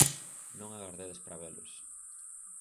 Non agardedes para velos.